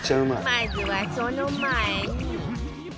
まずはその前に